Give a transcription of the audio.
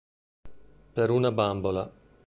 Per una bambola